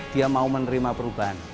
dia mau menerima perubahan